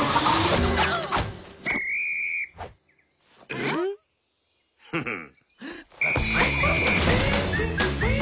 えっ？フフッ。